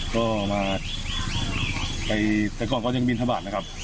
ก็มาไปแต่ก่อนก็ยังบินทบาทนะครับ